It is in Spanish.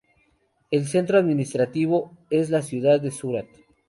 El centro administrativo es la ciudad de Surat.